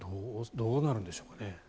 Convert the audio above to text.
どうなるんでしょうかね。